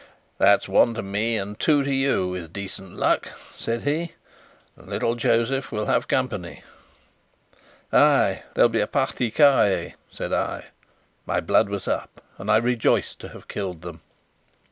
"That's one to me and two to you, with decent luck," said he. "Little Josef will have company." "Ay, they'll be a parti carrée," said I. My blood was up, and I rejoiced to have killed them.